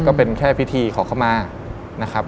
ก็เป็นแค่พิธีขอเข้ามานะครับ